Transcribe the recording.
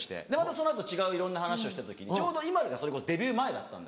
その後違ういろんな話をしてちょうどＩＭＡＬＵがデビュー前だった。